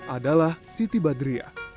adalah siti badria